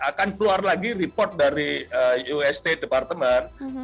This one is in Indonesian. akan keluar lagi report dari us state department